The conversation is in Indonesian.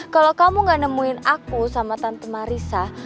kalo kamu gak nemuin aku sama tante marissa